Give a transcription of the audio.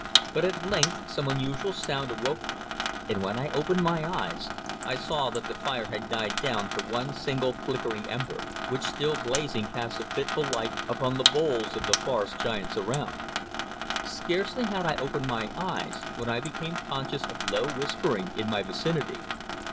But at length some unusual sound awoke me, and when I opened my eyes I saw that the fire had died down to one single flickering ember, which still blazing cast a fitful light upon the boles of the forest giants around. Scarcely had I opened my eyes when I became conscious of low whispering in my vicinity.